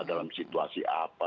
dalam situasi apa